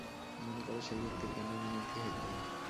মনে কর, সেই ব্যক্তির জ্ঞানের উন্নতি হইল।